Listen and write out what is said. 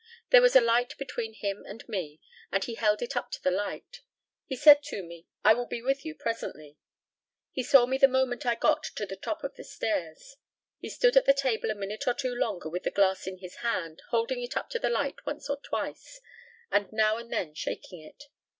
There was a light between him and me, and he held it up to the light. He said to me, "I will be with you presently." He saw me the moment I got to the top of the stairs. He stood at the table a minute or two longer with the glass in his hand, holding it up to the light once or twice, and now and then shaking it.